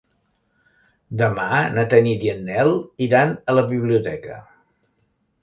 Demà na Tanit i en Nel iran a la biblioteca.